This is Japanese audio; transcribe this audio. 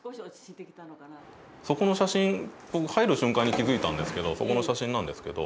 そこの写真ぼく入る瞬間に気付いたんですけどそこの写真なんですけど。